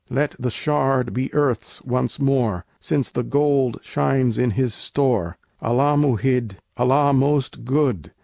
Let the shard be earth's once more, Since the gold shines in His store! Allah Mu'hid, Allah most good!